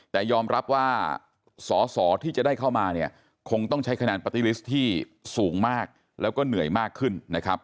แต่ยอมรับว่าสอที่จะได้เข้ามาคงต้องใช้ขนาดปฏิลิสต์ที่สูงมากแล้วก็เหนื่อยมากขึ้นนะครับ